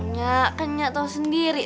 nya kan nya tau sendiri